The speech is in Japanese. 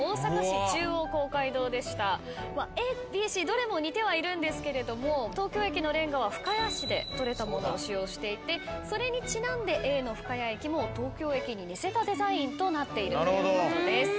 ＡＢＣどれも似てはいるんですけども東京駅のれんがは深谷市でとれたものを使用していてそれにちなんでＡの深谷駅も東京駅に似せたデザインとなっているということです。